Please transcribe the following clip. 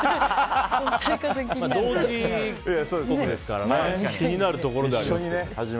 同時キックオフですから気になるところではありますけど。